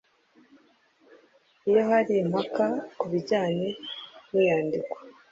Iyo hari impaka ku bijyanye n iyandikwa